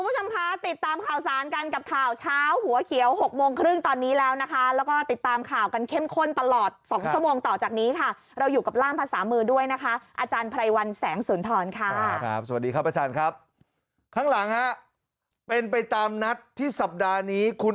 สวัสดีครับอาจารย์ครับข้างหลังค่ะเป็นไปตามนัดที่สัปดาห์นี้คุณ